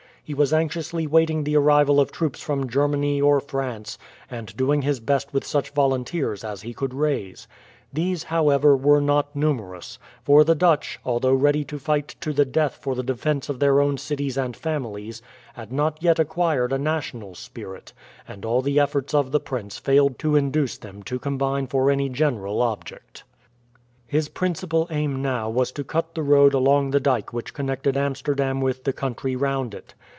He was anxiously waiting the arrival of troops from Germany or France, and doing his best with such volunteers as he could raise. These, however, were not numerous; for the Dutch, although ready to fight to the death for the defence of their own cities and families, had not yet acquired a national spirit, and all the efforts of the prince failed to induce them to combine for any general object. His principal aim now was to cut the road along the dyke which connected Amsterdam with the country round it.